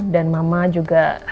dan mama juga